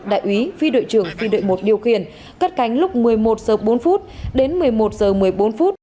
đại úy phi đội trưởng phi đội một điều khiển cắt cánh lúc một mươi một giờ bốn phút đến một mươi một giờ một mươi bốn phút